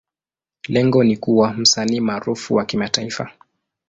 Lengo ni kuwa msanii maarufu wa kimataifa.